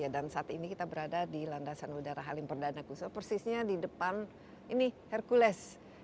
dan saat ini kita berada di landasan udara halim perdana kusuh persisnya di depan herkules